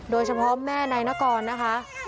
โดยเฉพาะแม่นายนะกอลนะคะ